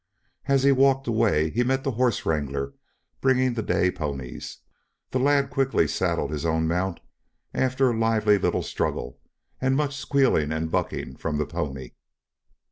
As he walked away he met the horse wrangler bringing the day ponies. The lad quickly saddled his own mount after a lively little struggle and much squealing and bucking from the pony.